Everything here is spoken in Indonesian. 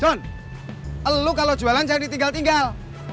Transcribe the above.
john lu kalau jualan jangan ditinggal tinggal